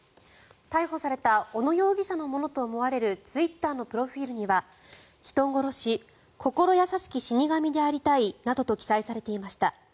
逮捕された小野容疑者のものと思われるツイッターのプロフィルには人殺し心優しき死に神でありたいなどと記載されていました。